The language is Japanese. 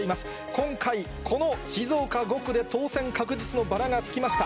今回、この静岡５区で当選確実のバラがつきました。